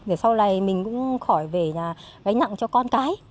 để sau này mình cũng khỏi về là gánh nặng cho con cái